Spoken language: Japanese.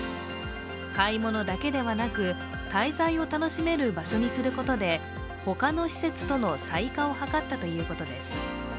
買い物だけではなく、滞在を楽しめる場所にすることで、他の施設との差異化を図ったということです。